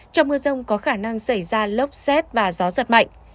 trong mưa rông có khả năng xảy ra lốc xét và gió giật mạnh